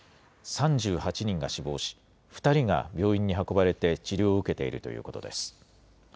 ３８人が死亡し、２人が病院に運ばれて治療を受けているということです。